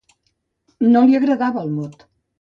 No li agradava el mot.